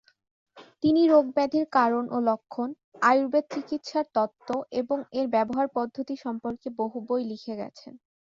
তিনি রোগ-ব্যাধির কারণ ও লক্ষন, আয়ুর্বেদ চিকিৎসার তত্ত্ব এবং এর ব্যবহার পদ্ধতি সম্পর্কে বহু বই লিখে গেছেন।